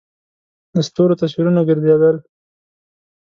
د ستورو تصویرونه گرځېدل.